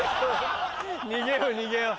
逃げよう逃げよう。